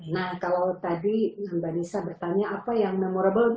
nah kalau tadi mbak nisa bertanya apa yang memorable